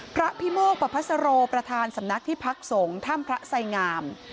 พระพิโมกประพัสโรประธานสำนักที่พักสงฆ์ถ้ำพระไสงาม